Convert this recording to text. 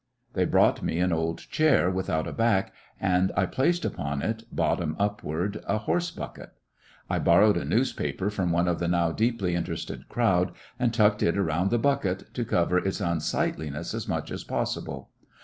They brought me an old chair without a back, and I placed upon it, bottom upward, a horse bucket. I borrowed a newspaper from one of the now deeply interested crowd, and tucked it around the bucket to cover its un sightliness as much as possible.